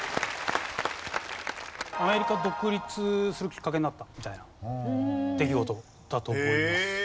アメリカが独立するきっかけになったみたいな出来事だと思います。